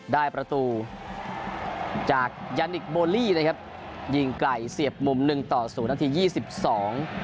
ได้ประตูจากยานิคโบลี่นะครับยิงไกลเสียบมุมหนึ่งต่อศูนย์นาทียี่สิบสอง